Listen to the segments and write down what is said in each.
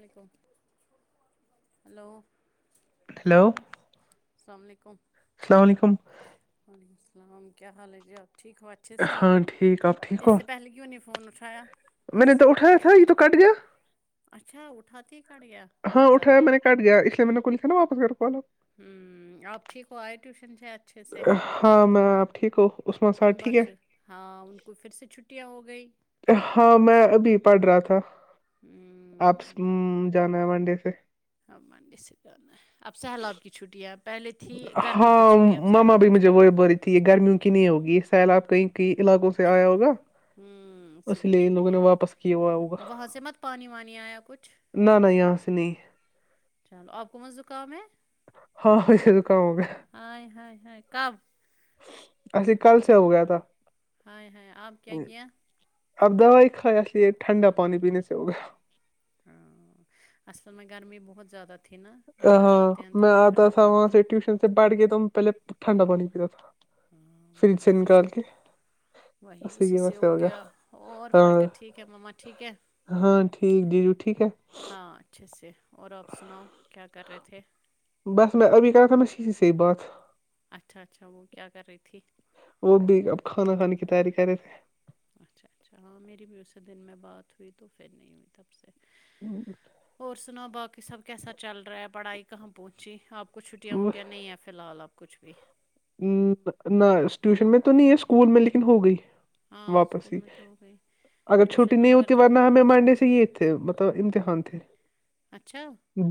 لیکم hello hello السلام علیکم السلام علیکم وعلیکم السلام کیا حال ہے جی آپ ٹھیک ہو اچھے سے ہاں ٹھیک آپ ٹھیک ہو اس سے پہلے کیوں نہیں فون اٹھایا میں نے بس تو اٹھایا تھا یہ تو کٹ گیا اچھا اٹھاتی ہی کٹ گیا ہاں پتہ اٹھایا نہیں میں نے کاٹ گیا اس لیے میں نے کولیکھ نا واپس کر کو آگ ہوں آپ ٹھیک ہو ائے ٹیوشن اچھے سے ہاں میں آپ ٹھیک ہوں بس ہاں ان کو پھر سے چھٹیاں ہو گئی ہاں میں ابھی پڑھ رہا تھا اپس جانا ہے منڈے سے اب منڈے سے جانا ہے اب سہلاب کی چھٹی ہے اب پہلے تھی گرمی کی ہاں ماما سیلاب بھی کی مجھے چھٹی وہی بول رہی تھی یہ گرمیوں کی نہیں ہوگی سیلاب کہیں کی علاقوں سے آیا ہوگا ہوں اسی اس لیے ان لوگوں چھٹیاں نے ہے واپس کیا ہوا ہوگا وہاں سے مت پانی وانی آیا کچھ نہ نہ یہاں سے نہیں چلو آپ کو مت زکام ہے [unintelligible] ائے ہائے ہائے کب ایسا کل سے ہو گیا تھا ہائے ہائے اپ کیا کیا اب دوائی کھایا اس لیے ٹھنڈا پانی پینے سے ہوگا ہاں اصل میں گرمی بہت زیادہ تھی نا جب گھر ہاں آتے ہیں تو میں پھر آتا ٹھنڈا تھا پانی وہاں سے ٹیوشن سے پڑھ کے تو پہلے ٹھنڈا پانی پیتا تھا ہاں فریج وہی سے اسی نکال کے وہی اسی کی سے وجہ ہو ہوگیا گیا اور ہاں فائقہ ٹھیک ہے مما ٹھیک ہے ہاں ٹھیک دیدی ٹھیک ہے ہاں اچھے سے اور آپ سناؤ کیا کر رہے تھے بس میں ابھی کیا [unintelligible] سمجھتی تھی سے بات اچھا اچھا وہ کیا کر رہی تھی وہ بھی اب کھانا کھانے کی تیاری کر رہے تھے اچھا اچھا ہاں میری بھی اس سے دن میں بات ہوئی تو پھر نہیں ہوئی تب سے ہوں اور سنا باقی سب کیسا چل رہا ہے پڑھائی کہاں پہنچی آپ کچھ چھٹیاں وٹیا نہیں ہے فی الحال اب کچھ بھی نہ ٹیوشن میں تو نہیں ہے اسکول میں لیکن ہو گئی ہاں واپس اسکول ہی میں تو ہو گئی اگر چھٹی ٹیوشن تو نہیں مگر ہوتی جان ورنہ ہمیں منڈے سے یہ تھے مطلب امتحان تھے اچھا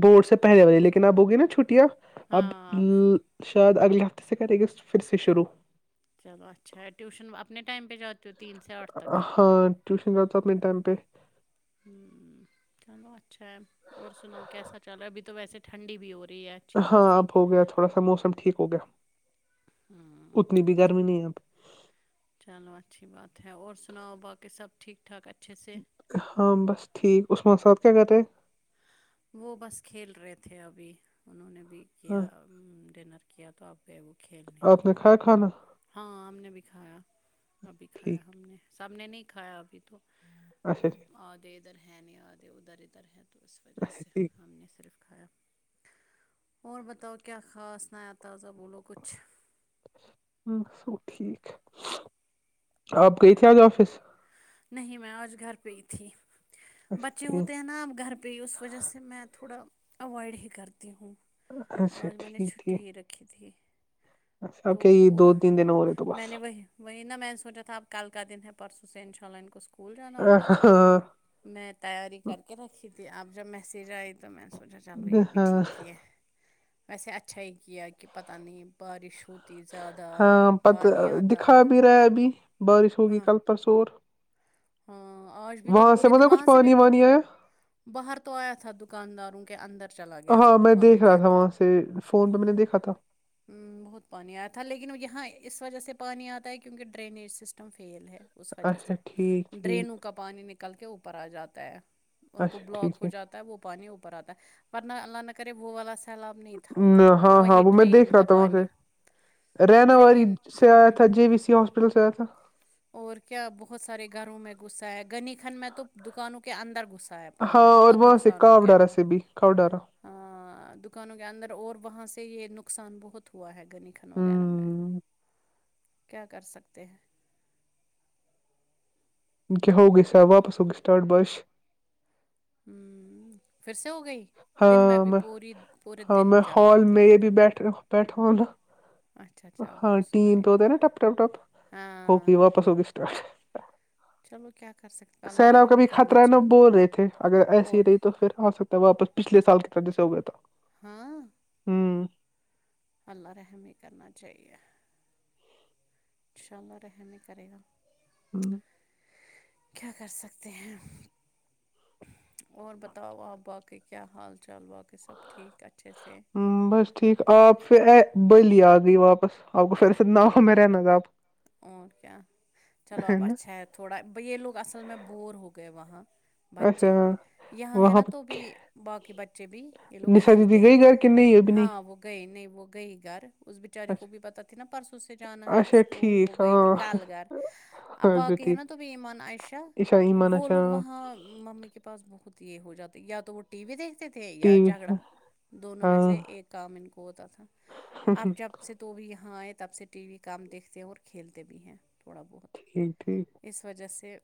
بورڈ سے پہلے والی لیکن اب ہوگی نا چھٹیاں اب ہاں آپ شاید اگلے ہفتے سے کرے گی پھر سے شروع چلو اچھا ہے ٹیوشن اپنے ٹائم پہ جاتے ہو ت ہاں ٹیوشن جاتا ہو اپنے ٹائم پہ ہمم چلو اچھا ہے اور سناو کیسا چل رہا ہے ابھی تو ویسے ٹھنڈی بھی ہو رہی ہے اچھی ہاں خاصی اب ہو گیا تھوڑا سا موسم ٹھیک ہو گیا ہاں اتنی بھی گرمی نہیں ہے اب چلو اچھی بات ہے اور سناؤ باقی سب ٹھیک ٹھاک اچھے سے ہاں بس ٹھیک عسمہ استاد کیا کر رہے وہ بس کھیل رہے تھے ابھی انہوں نے بھی ہاں کیا ہمم ڈنر کیا تو اب گئے وہ کھیل اپ نے کھائے کھانا ہاں ہم نے بھی کھایا ابھی کھایا ٹھیک ہم نے سب نے نہیں کھایا ابھی تو اچھا ٹھیک آدے ادھر ہے نہیں آدے ادھر ادھر ہے تو اس وجہ اچھا سے ٹھیک ہم نے صرف کھایا اور بتاؤ کیا خاص نیا تازہ بولو کچھ ہمم سب ٹھیک آپ گئی تھی اور آج آفس نہیں میں آج گھر پہ ہی تھی اچھا بچے ہوتے ٹھیک ہیں نا اب گھر پہ اس وجہ سے میں تھوڑا اوائڈ ہی کرتی ہوں اچھا اور میں نے ٹھیک ٹھیک چھٹی ہی رکھی تھی اچھا تو آپ کیا یہ دو تین دن ہو رہے تو میں بس نے وہی وہی نا میں نے سوچا تھا اپ کل کا دن ہے پرسوں سے انشاء اللہ ان کو اسکول جانا ہاں ہوگا میں تیاری کر کے رکھی تھی آپ جب میسیج آئی تو میں نے چلو یہ بھی ہاں ٹھیک ہی ہے ویسے اچھا ہی کیا کہ پتاہ نہیں بارش ہوت تی زیادہ ہاں پت پانی آتا دکھا بھی رہا ابھی بارش ہوگی ہاں کل پرسو اور ہاں آج بھی تو وہاں سے پورے مطلب دما کچھ وہاں سے بھی پانی وانی آیا باہر تو آیا تھا دکانداروں کے اندر چلا گیا تھا ہاں میں دکانوں دیکھ کے رہا تھا اندر وہاں سے فون پہ میں نے دیکھا تھا ہمم بہت پانی آیا تھا لیکن یہاں اس وجہ سے پانی آتا ہے کیونکہ ڈرینیج سسٹم فیل ہے اس وجہ اچھا سے ٹھیک ٹھیک ڈرینوں کا پانی نکل کے اوپر آ جاتا ہے ان کو اچھا ٹھیک بلاک ہو ٹھیک جاتا ہے وہ پانی اوپر آتا ہے ورنہ اللہ نہ کرے وه والا سے تالاب نہیں تھا وہ وہ ہاں وہی ڈرین کا پانی رہنا والی ڈرین سے ہوں آیا ہوں تھا جے وی سی ہاسپٹل سے آیا تھا اور کیا بہت سارے گھروں میں غصہ ہے گنی خن میں تو دکانوں کہ اندر غسا ہے پانی ہاں اور بہت وہاں سے نقصان ہو گیا کاوڈارا وہاں سے بھی کاوڈارا ا دکانوں کے اندر اور وہاں سے یہ نقصان بہت ہوا ہے گنیکھن وغیرہ میں ہوں کیا کر سکتے ہیں انکے ہو گئے سا واپس ہو گی اسٹاٹ بچش ہمم پھر سے ہو گئی دن میں بھی پوری پورے دن چل رہے تھے بارے ٹ بیٹھونا اچھا آپ ہاں کو ٹین سنائی پہ دی ہوتا نا ٹپ ٹپ ٹپ ہاں ہوگئی واپس ہوگئی اسٹارٹ چلو کیا کر سکتے اللہ سیلاب رحم کا ہی بھی کرنا خطرہ ہے نا چاہیے بول رہے تھے اگر ایسے ہی اور نہیں تو پھر آ سکتا ہے واپس پچھلے سال کی طرح جیسے ہو گیا تھا ہاں ہوں اللہ رحم ہی کرنا چاہیے انشاء اللہ رحم ہی کرے گا ہوں کیا کر سکتے ہیں اور بتاؤ آپ باقی کیا حال چال باقی سب ٹھیک اچھے سے ہوں بس ٹھیک آپ پھر بلی آ گئی واپس آپ کو پھر سےتنا ہو میں رہنا تھا آپ اور کیا چلو کو، اب نا اچھا ہے تھوڑا بھائی یہ لوگ اصل میں بور ہو گئے وہاں اچھا بچے یہاں ہے نا وہاں تو بھی پہ باقی بچے بھی یہ لوگ نشا کھیلتے دیدی ہیں گئی گھر کہ نہیں ابھی نہیں ہاں وہ گئے نہیں وہ گئی گھر اس بچاری کو بھی اچھا پتا تھی نا پرسوں سے جانا ہے اب اچھا سکول وه ٹھیک گئی تھی ہاں کل گھر اب اچھا باقی ہے نا ٹھیک تو بھی ایمن عائشہ عشا ایمان وہ اچھا لوگ وہاں ممی کے پاس بہت یہ ہو جاتے یا تو وہ ٹی وی دیکھتے تھے یا ٹی وی جھگڑا دونوں میں سے ایک کام ان کو ہوتا تھا ہوں ہوں تب سے تو بھی یہاں آئے تب سے ٹی وی کام دیکھتے ہیں اور کھیلتے بھی ہیں تھوڑا بہت ٹھیک ٹھیک اس وجہ سے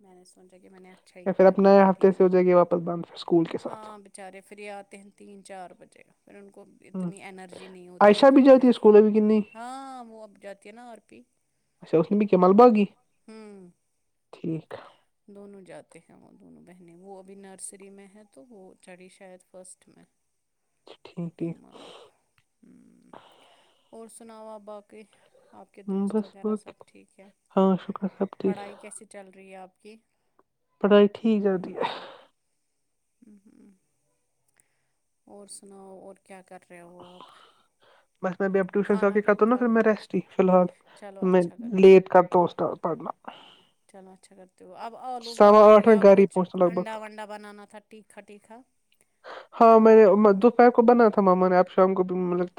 میں نے سوچا کہ میں نے اچھا ہی یا پھر کیا اپنا میں یہ جا ہفتے رہی سے ہو جائے گے واپس بند پھر اسکول کے ساتھ بیچارے پھر یہ آتے ہیں تین چار بجے پھر ان کو ہ اتنی انرجی نہیں ہوتی ہے عائشہ کہ بھی یہ جاتی پھر کے اسکول ابھی کہ نہیں ہاں وہ اب جاتی نا ار پی اچھا اس نے بھی کیا ملبہ کی ہوں ٹھیک دونوں جاتے ہیں وہ دونوں بہنیں وہ ابھی نرسری میں ہیں تو وہ چڑھی شاید فرسٹ میں ٹھیک ٹھیک ایمان ہوں اور سناو آپ باقی آپ کے ہوں، دوست بس وغیرہ بس سب ٹھیک ہے ہاں شکر سب ٹھیک پڑھائی کیسی چل رہی ہے آپ کی پڑھائی ٹھیک چلتی ہے اور سناؤ اور کیا کر رہے ہو آپ بس میں ابھی اب ٹیوشن سے آ کھانا کے کرتا کب ہوں پھر کھانا میں ریسٹ ج فی الحال چلو میں اچھا کرتے لیٹ کرتا ہوں سٹارٹ پڑھنا چلو اچھا کرتے تو اب آلو سوا بالو آٹھ میں یا گھر ہی کچھ پہنچتا لگ بھگ انڈا ونڈا بنانا تھا ٹیکھا ٹیکھا ہاں میں نے رات کو بنا تھا ماما نے آپ شام کو بھی مطل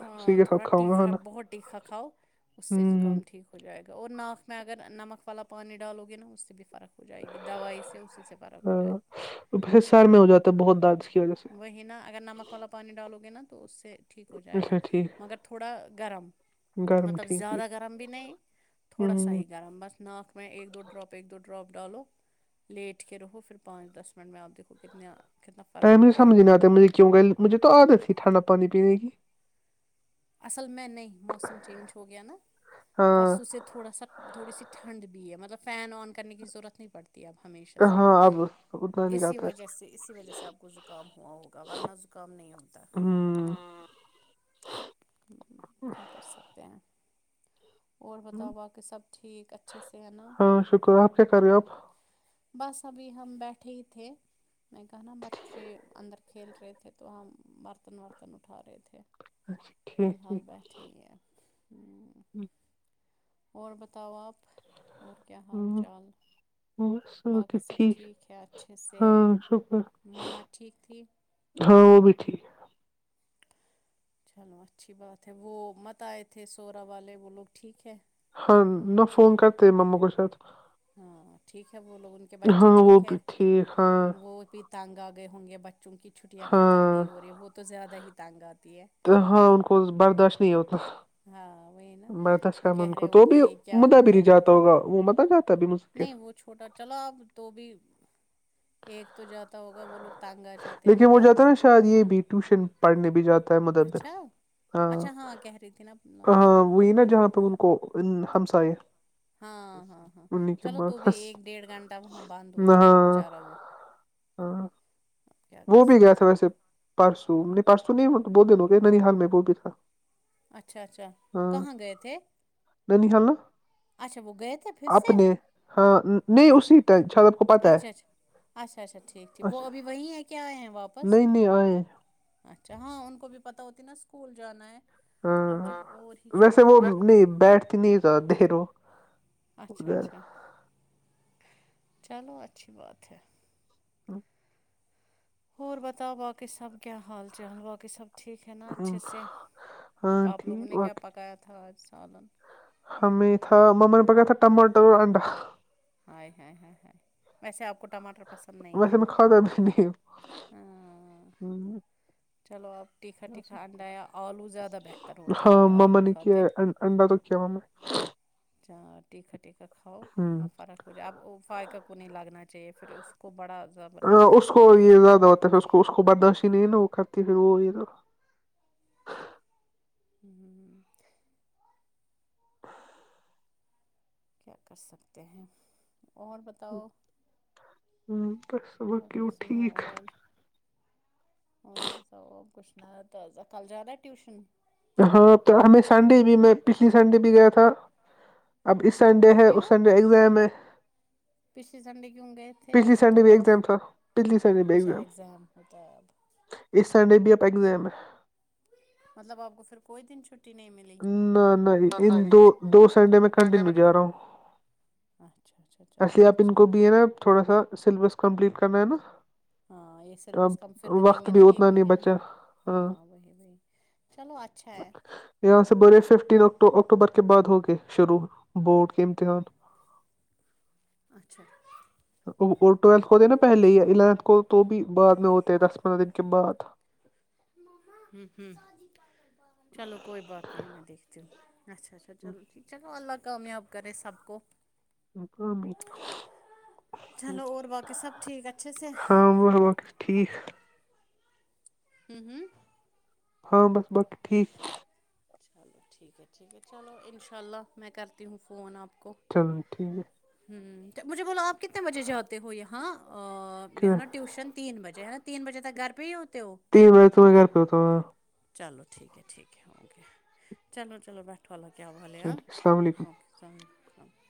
ہاں تھوڑا ٹیکھا بہت ٹیکھا کھاؤ اس سے زکام ٹھیک ہو ہو جائے گا اور ناک میں اگر نمک والا پانی ڈالو گے نا اس سے بھی فرق ہو جائے گی دوائی سے اسی سے فرق ہو جائے ہ پھر سر میں ہو جاتا ہے بہت درد جس کی وجہ سے وہی نا اگر نمک والا پانی ڈالو گے نا تو اس سے ٹھیک ہو جائے گا اچھا ٹھیک مگر تھوڑا گرم گرم مطلب ٹھیک ہے زیادہ گرم بھی نہیں تھوڑا سا ہ ہی گرم بس ناک میں ایک دو ڈراپ ایک دو ڈراپ ڈالو لیٹ کے رہو پھر پانچ دس منٹ میں آپ دیکھو کتنا کتنا فرق ہو ٹائم جائے سمجھ گی نہیں آتا مجھے کیوں کہ مجھے تو عادت تھی ٹھنڈا پانی پینے کی اصل میں نہیں موسم چینج ہو گیا نا ہاں پرسوں سے تھوڑا سا تھوڑی سی ٹھنڈ بھی ہے مطلب فین آن کرنے کی ضورت نہیں پڑتی ہے اب ہمیشہ سے ہاں اب اتنا نہیں اسی آتا وجہ سے اسی وجہ سے آپ کو زکام ہوا ہوگا ورنہ زکام نہیں ہوتا ہے ہ ہاں ہمم کیا کر سکتے ہیں اور بتاؤ باقی سب ٹھیک اچھے سے ہے نا ہاں شکر آپ کیا کر رہے ہو آپ بس ابھی ہم بیٹھے ہی تھے میں کہا نا بچے اندر کھیل رہے تھے تو ہم برتن ورتن اٹھا رہے تھے اچھا فی ٹھیک الحال بیٹھے ہے ہمم ہوں اور بتاؤ آپ اور کیا حال ہ چال [unintelligible] بس اوکے باقی سب ٹھیک ہے اچھے سے ہاں شکر مما ٹھیک تھی ہاں وہ بھی ٹھیک چلو اچھی بات ہے وہ مت آئے تھے سورا والے وہ لوگ ٹھیک ہے ہاں نہ فون کرتے ہے مما کو شاید ہاں ٹھیک ہے وہ لوگ ان کے بچے ہاں وہ ٹھیک ہے بھی ٹھیک ہاں وہ بھی تانگ آ گئے ہوں گے بچوں کی چھٹیاں ختم ہاں نہیں ہو رہی وہ تو زیادہ ہی تانگ آتی ہے تو ہاں ان کو برداشت نہیں ہوتا ہاں وہی نا برداشت وہ کرنا کہہ ان رہے کو تو ہوں بھی گی کیا مدا ہو بھی گیا نہیں جاتا ہوگا وہ متا جاتا ہے بھی مذکر نہیں وہ چھوٹا چلو اپ تو بھی ایک تو جاتا ہوگا وہ لوگ تنگ آ جاتے ہیں لیکن وہ جاتا جلدی ہے نا شاید یہ بھی ٹیوشن پڑھنے بھی جاتا ہے مددھر اچھا ہاں اچھا کہہ رہی تھی نا لاسٹ ہاں ٹائم آپ وہی کی نا جی جہاں پہ ان کو ہمسائے ہاں ہاں ہاں انہیں کے چلو بعد تو بھی ہس ایک ڈیڑھ گھنٹہ وہاں بند ہوتا ہوگا ہاں بچارا وہ ہاں کیا کر وہ بھی گیا سکتے تھا ہیں ویسے پرسو نہیں پرسو نہیں بہت دن ہو گے ننی حال میں وہ بھی تھا اچھا اچھا ہاں کہاں گئے تھے ننیحال نا اچھا وہ گئے تھے پھر سے اپنے ہاں نہیں اسی ٹائم شاید اپ کو پتا ہے اچھا اچھا اچھا اچھا ٹھیک ٹھیک وہ اچھا ابھی وہی ہے کیا ائے ہیں وا نہیں نہیں ائے اچھا ہاں ان کو بھی پتا ہوتی نا اسکول جانا ہے ہاں اب جب اور ہی ویسے چھٹیاں وہ ہو گئی نہیں بیٹھتی نہیں زیادہ دیر وه اچھا اچھا چلو اچھی بات ہے ہاں اور بتاؤ باقی سب کیا حال چال باقی سب ٹھیک ہے نا اچھے سے ہاں آپ لوگوں ٹھیک نے کیا اوکے پکایا تھا آج سالن ہمیں تھا مما نے پکایا تھا ٹماٹر اور انڈا ہائے ہائے ہائے ہائے ویسے آپ کو ٹماٹر پسند نہیں ہے ویسے میں مات کھاتا بھی نہیں ہاں ہوں چلو آپ تیکھا تیکھا انڈا یا آلو زیادہ بہتر ہوتا ہاں اگر مما آلو نے کیا کھاتے اند انڈا تو کیا ممی اچھا ٹیکا ٹیکا کھاؤ اور نے فرق کچھ اب وه فائقہ کو نہیں لگنا چاہیے پھر اس کو بڑا ضاب ہاں اس کو یہ زیادہ ہوتا ہے پھر اس کو برداشت نہیں نا وہ کرتی پھر وہ یہ ہوں کیا کر سکتے ہیں اور بت تو ہوں بس وہ باقی کیوں سناؤ ٹھیک اور اور بسؤ کچھ نا تھا کل جانا ہے ٹیوشن ہاں تو ہمیں سنڈے بھی میں پچھلی سنڈے بھی گیا تھا اب اس سنڈے ہے اس کیوں سنڈے ایگزام ہے پچھلے سنڈے کیوں گئے تھے پچھلی آپ کو تو سنڈے بھی آف ایگزام تھا پچھلی سنڈے بھی اچھا ایگزام اگزام ہوتا ہے اب اس سنڈے بھی اب ایگزام ہے مطلب آپ کو پھر کوئی دن چھٹ ٹی نی ملے نہ نہیں ان دو دو سنڈے میں کنٹینیو جا رہا ہوں اچھا اچھا چلو ایسے آپ ان اچھا کو ہے بھی نا تھوڑا سا سلیبس کمپلیٹ کرنا ہے نا ہاں یہ تو اب سلیبس کم فرق دیں وقت گے نا بھی ایک اتنا نہیں مہینہ بچا ہاں وہی وہی چلو اچھا ہے یہاں سے بولے ففٹین اک اکٹوبر کے بعد ہوگئے شروع بورڈ کے امتحان اچھا وہ ٹویلتھ ہوتے ہیں نا پہلے ہی الیونتھ کو تو بھی بعد میں ہوتے ہیں دس پندرہ دن کے بعد مما ہوں ہوں چلو کوئی بات نہیں میں دیکھتی ہوں اچھا اچھا چلو ٹھیک چلو اللہ کامیاب کرے سب کو چلو اور باقی سب ٹھیک اچھے سے ہوں ہاں وہ ک ٹھیک ہوں ہوں ہاں بس باقی ٹھیک چلو ٹھیک ہے ٹھیک ہے چلو انشاء اللہ میں کرتی ہوں فون آپ کو چلو ٹھیک ہے ہوں مجھے بولو آپ کتنے بجے جاتے ہو یہاں تین یہ نا منٹ ٹیوشن تین بجے ہے تین بجے تک گھر پہ ہی ہوتے ہو تین میں بجے میں گھر پہ تھا چلو ٹھیک ہے ٹھیک ہے اوکے چلو چلو بیٹھو والا کیا بولے ہاں السلام علیکم اوکے ج [unintelligible]